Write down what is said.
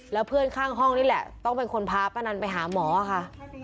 แล้วเพื่อนข้างห้องนี่แหละต้องเป็นคนพาป้านันไปหาหมอค่ะ